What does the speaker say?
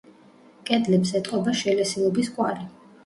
კედლებს ეტყობა შელესილობის კვალი.